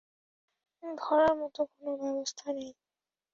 ধরবার মতো কোনো ব্যবস্থা নেই।